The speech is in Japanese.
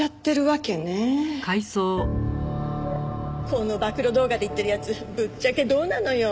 この暴露動画で言ってるやつぶっちゃけどうなのよ？